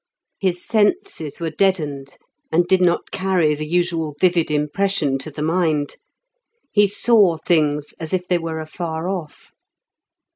His senses were deadened, and did not carry the usual vivid impression to the mind; he saw things as if they were afar off.